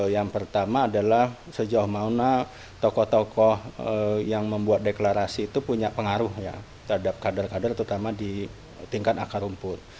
yang pertama adalah sejauh mana tokoh tokoh yang membuat deklarasi itu punya pengaruh ya terhadap kader kader terutama di tingkat akar rumput